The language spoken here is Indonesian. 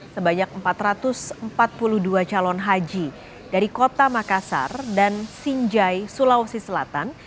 sebanyak empat ratus empat puluh dua calon haji dari kota makassar dan sinjai sulawesi selatan